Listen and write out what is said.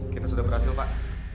kita sudah berhasil pak